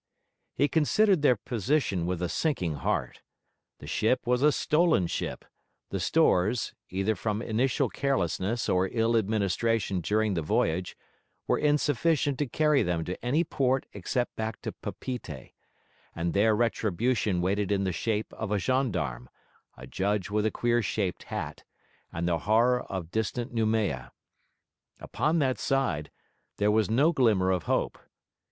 He considered their position with a sinking heart. The ship was a stolen ship; the stores, either from initial carelessness or ill administration during the voyage, were insufficient to carry them to any port except back to Papeete; and there retribution waited in the shape of a gendarme, a judge with a queer shaped hat, and the horror of distant Noumea. Upon that side, there was no glimmer of hope.